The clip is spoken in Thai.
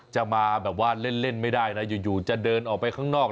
จะมาเล่นไม่ได้อย่างกันจะเดินออกไปข้างนอก